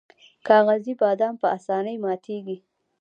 کاغذي بادام په اسانۍ ماتیږي.